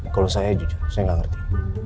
kalau saya jujur saya nggak ngerti